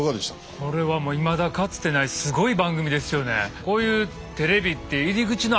これはいまだかつてないすごい番組ですよね。